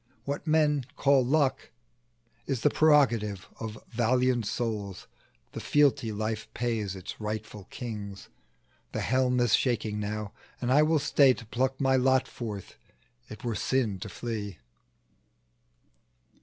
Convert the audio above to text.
What men call luck Is the prerogative of valiant souls, The fealty life pays its rightful kings. The helm is shaking now, and I will stay To pluck my lot forth; it were sin to flee!"